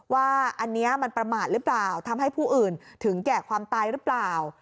ว่าอันนี้มันประมาทหรือเปล่าทำให้ผู้อื่นถึงแก่ความตายหรือเปล่า